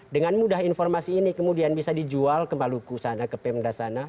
dengan mudah informasi ini kemudian bisa dijual ke maluku sana ke pemda sana